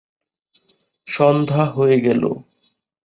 সন্ধ্যা হয়ে গেল।